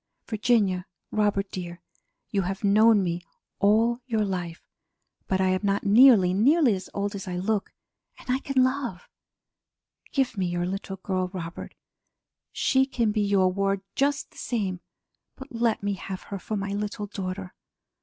Virginia, Robert dear, you have known me all your life but I am not nearly, nearly as old as I look, and I can love. Give me your little girl, Robert! She can be your ward just the same, but let me have her for my little daughter.